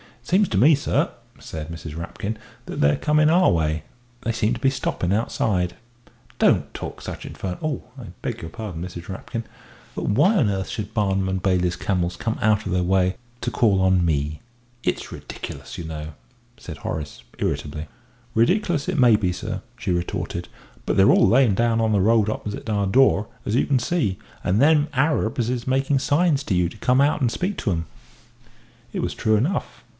"It seems to me, sir," said Mrs. Rapkin, "that they're coming our way they seem to be stopping outside." "Don't talk such infernal I beg your pardon, Mrs. Rapkin; but why on earth should Barnum and Bailey's camels come out of their way to call on me? It's ridiculous, you know!" said Horace, irritably. "Ridicklous it may be, sir," she retorted, "but they're all layin' down on the road opposite our door, as you can see and them niggers is making signs to you to come out and speak to 'em." It was true enough.